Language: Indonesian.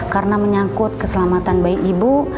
karena menyangkut keselamatan bayi ibu